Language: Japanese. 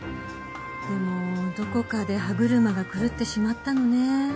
でもどこかで歯車が狂ってしまったのね。